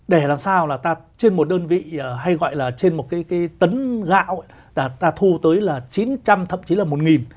để làm sao là ta trên một đơn vị hay gọi là trên một cái tấn gạo là ta thu tới là chín trăm linh thậm chí là một